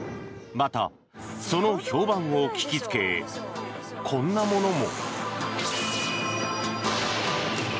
またその評判を聞きつけこんなものも。